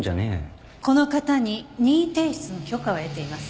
この方に任意提出の許可は得ています。